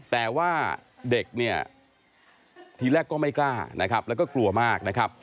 แต่ว่าเด็กเนี่ยทีแรกก็ไม่กล้านะครับแล้วก็กลัวมากนะครับ